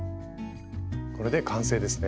これで完成ですね。